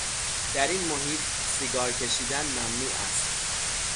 در این محیط، سیگار کشیدن ممنوع است